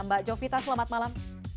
mbak jovita selamat malam